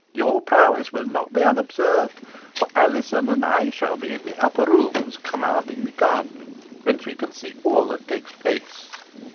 Your prowess will not be unobserved, for Alizon and I shall be in the upper room commanding the garden, whence we can see all that takes place."